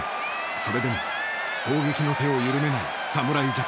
それでも攻撃の手を緩めない侍ジャパン。